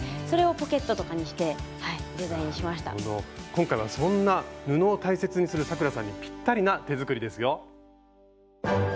今回はそんな布を大切にする咲楽さんにピッタリな手作りですよ。